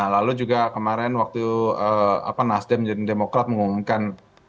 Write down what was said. lalu juga kemarin waktu nasdem dan demokrat mengumumkan